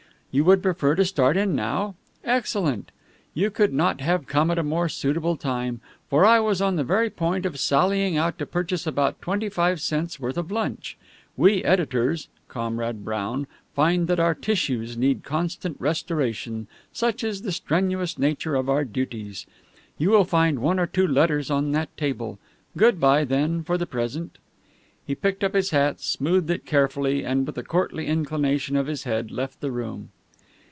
You would prefer to start in now? Excellent. You could not have come at a more suitable time, for I was on the very point of sallying out to purchase about twenty five cents' worth of lunch. We editors, Comrade Brown, find that our tissues need constant restoration, such is the strenuous nature of our duties. You will find one or two letters on that table. Good by, then, for the present." He picked up his hat, smoothed it carefully and with a courtly inclination of his head, left the room.